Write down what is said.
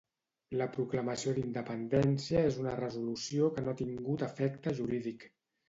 La proclamació d'independència és una resolució que no ha tingut efecte jurídic.